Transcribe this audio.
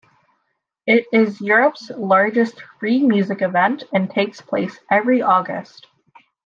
It is Europe's largest free music event and takes place every August.